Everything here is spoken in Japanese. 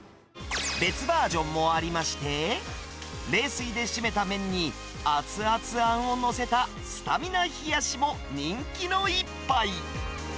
別バージョンもありまして、冷水で締めた麺に、熱々あんを載せたスタミナ冷やしも人気の一杯。